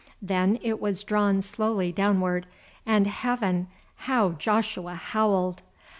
Then it was drawn slowly downward, and heaven! how Joshua howled.